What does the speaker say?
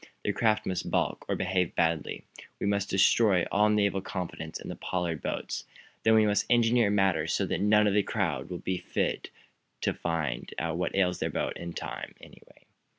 Their craft must balk, or behave badly. We must destroy all naval confidence in Pollard boats. Then we must engineer matters so that none of that crowd will be fit to find out what ails their boats in time, anyway.